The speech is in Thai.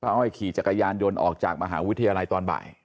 อ้อยขี่จักรยานยนต์ออกจากมหาวิทยาลัยตอนบ่าย